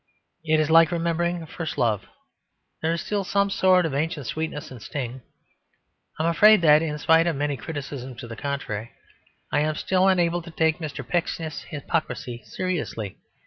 It is like remembering first love: there is still some sort of ancient sweetness and sting. I am afraid that, in spite of many criticisms to the contrary, I am still unable to take Mr. Pecksniff's hypocrisy seriously.